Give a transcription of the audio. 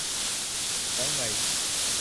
แล้วไง